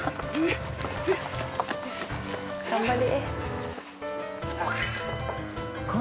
頑張れ。